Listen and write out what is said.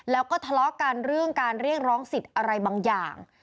แล้วก็ทะเลาะกันเรื่องการเรียกร้องสิทธิ์อะไรบางอย่าง